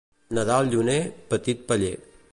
Nadal lluner, petit paller.